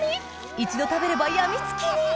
一度食べれば病みつきに！